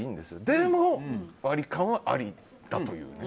でも、割り勘はありだというね。